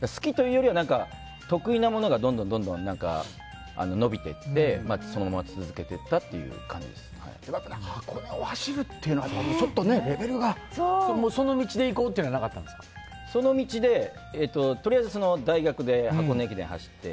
好きというよりは得意なものがどんどん伸びていってそのまま続けていったという箱根を走るっていうのはその道で行こうというのはその道でとりあえず大学で箱根駅伝走って。